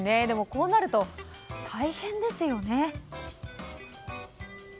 でもこうなると、大変ですよね。